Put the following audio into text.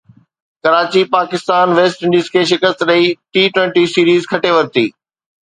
Karachi Pakistan West Indies کي شڪست ڏئي ٽي ٽوئنٽي سيريز کٽي ورتي